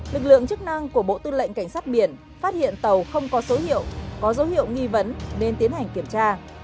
lực lượng chức năng của bộ tư lệnh cảnh sát biển phát hiện tàu không có số hiệu có dấu hiệu nghi vấn nên tiến hành kiểm tra